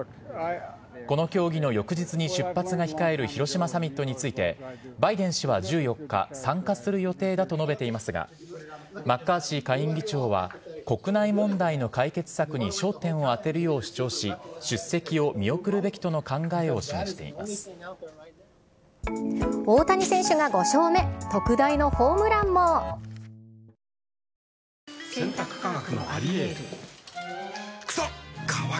この協議の翌日に出発が控える広島サミットについて、バイデン氏は１４日、参加する予定だと述べていますが、マッカーシー下院議長は、国内問題の解決策に焦点を当てるよう主張し、エンゼルスの大谷翔平選手が粘りのピッチングで今シーズン５勝目。